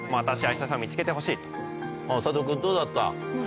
佐藤君どうだった？